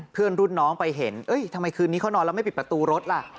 เพื่อนรุ่นน้องไปเห็นทำไมคืนนี้เขานอนแล้วไม่ปิดประตูรถล่ะ